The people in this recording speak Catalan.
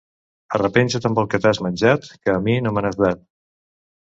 Arrepenja't amb el que t'has menjat, que, a mi, no me n'has dat.